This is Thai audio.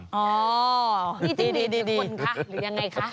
นี่จิ้งรีดกี่คนคะหรือยังไงคะ